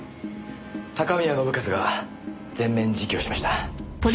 高宮信一が全面自供しました。